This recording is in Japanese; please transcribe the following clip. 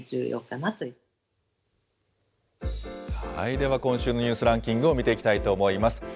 では今週のニュースランキングを見ていきたいと思います。